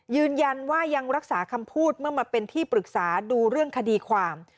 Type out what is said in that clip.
ยืนยันว่ายังรักษาคำพูดเมื่อมาเป็นที่ปรึกษาดูเรื่องคดีความ